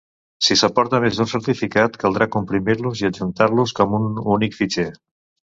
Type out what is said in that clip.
Si s'aporta més d'un certificat, caldrà comprimir-los i adjuntar-los com un únic fitxer.